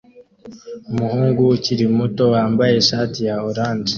Umuhungu ukiri muto wambaye ishati ya orange